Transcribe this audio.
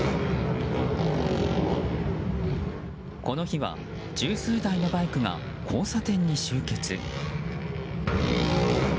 この日は十数台のバイクが交差点に集結。